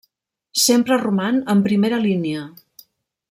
Sempre roman en primera línia.